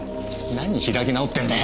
何開き直ってんだよ。